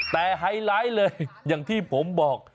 แต่ไฮไลท์เลยอย่างที่ผมบอก